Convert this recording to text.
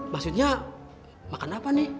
maksudnya makan apa nih